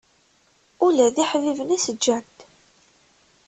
Ula d iḥbiben-is ǧǧan-t.